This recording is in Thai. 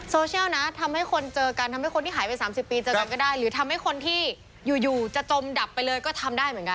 โซเชียลนะทำให้คนเจอกันทำให้คนที่หายไป๓๐ปีเจอกันก็ได้หรือทำให้คนที่อยู่อยู่จะจมดับไปเลยก็ทำได้เหมือนกัน